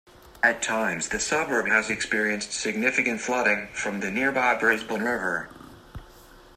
At times the suburb has experienced significant flooding from the nearby Brisbane River.